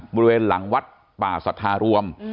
บริเวณหลังวัดป่าสัทธารวม